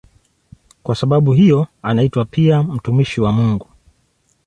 Kwa sababu hiyo anaitwa pia "mtumishi wa Mungu".